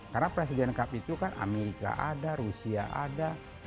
karena presiden kapal itu kan amerika ada rusia ada